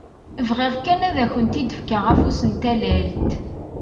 Bɣiɣ kan ad akent-d-fkeɣ afus n tallalt!